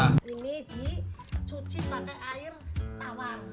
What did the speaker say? ini dicuci pakai air tawar